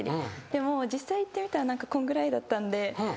でも実際行ってみたら何かこんぐらいだったんで。